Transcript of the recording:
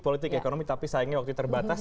politik ekonomi tapi sayangnya waktu terbatas